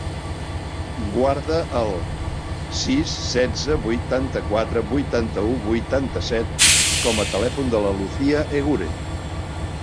Guarda el sis, setze, vuitanta-quatre, vuitanta-u, vuitanta-set com a telèfon de la Lucía Eguren.